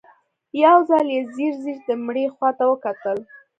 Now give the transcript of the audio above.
يو ځل يې ځير ځير د مړي خواته وکتل.